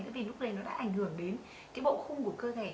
tại vì lúc này nó đã ảnh hưởng đến bộ khung của cơ thể